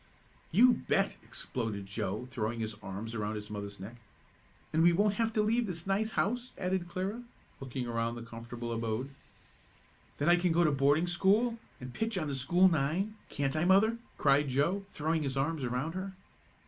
"You bet!" exploded Joe, throwing his arms around his mother's neck. "And we won't have to leave this nice house," added Clara, looking around the comfortable abode. "Then I can go to boarding school and pitch on the school nine; can't I mother?" cried Joe, throwing his arms around her.